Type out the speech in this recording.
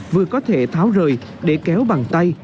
vừa có thể tháo rời để kéo bằng tay